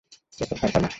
এরপর কার পালা?